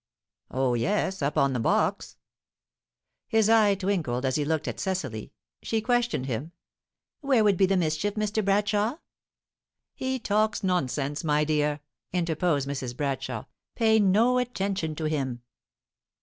"Oh yes; up on the box." His eye twinkled as he looked at Cecily. She questioned him. "Where would be the mischief, Mr. Bradshaw?" "He talks nonsense, my dear," interposed Mrs. Bradshaw. "Pay no attention to him."